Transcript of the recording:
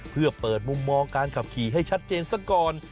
เพื่อเปิดมุมมองการขับขี่ให้ชัดเจนซะก่อน